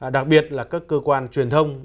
đặc biệt là các cơ quan truyền thông